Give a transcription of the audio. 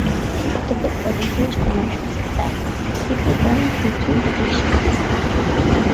The book was a huge commercial success, quickly going through two editions.